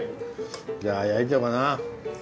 じゃあ焼いちゃおうかな。